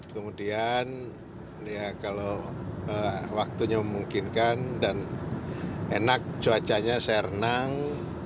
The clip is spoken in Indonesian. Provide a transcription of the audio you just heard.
kemudian ya kalau waktunya memungkinkan dan enak cuacanya saya renang